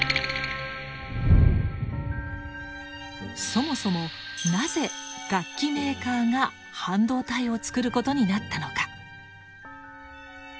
そもそもなぜ楽器メーカーが半導体を作ることになったのか。